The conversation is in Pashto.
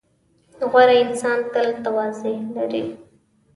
• غوره انسان تل تواضع لري.